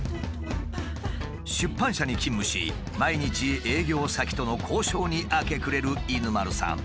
出版社に勤務し毎日営業先との交渉に明け暮れる犬丸さん。